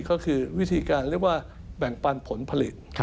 ก็คือวิธีการเรียกว่าแบ่งปันผลผลิต